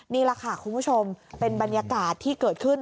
นี่แหละค่ะคุณผู้ชมเป็นบรรยากาศที่เกิดขึ้น